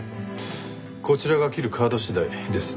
こちらが切るカード次第ですね。